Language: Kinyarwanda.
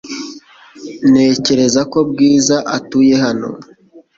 Ntekereza ko Bwiza atuye hano .